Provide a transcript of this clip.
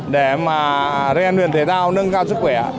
để mà riêng huyền thể giao nâng cao sức khỏe